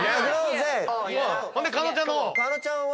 ほんで加納ちゃんの方。